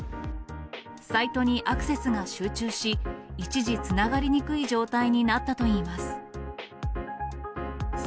サイトにアクセスが集中し、一時つながりにくい状態になったといいます。